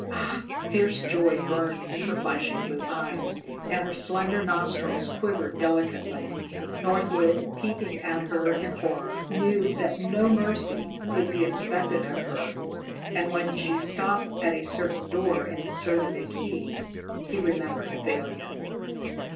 Ah!" Fierce joy burned in her flashing blue eyes, and her slender nostrils quivered delicately. Northwood, peeping at her in horror, knew that no mercy could be expected of her. And when she stopped at a certain door and inserted a key, he remembered Athalia.